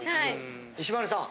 石丸さん！